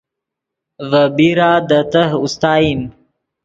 ڤے بیرا دے تہہ اوستائیم